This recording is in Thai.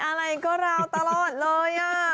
อะไรก็ราวตลอดเลย